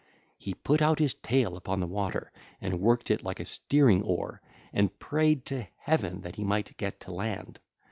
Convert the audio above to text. He put out his tail upon the water and worked it like a steering oar, and prayed to heaven that he might get to land.